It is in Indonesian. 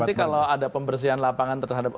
nanti kalau ada pembersihan lapangan terhadap orang lain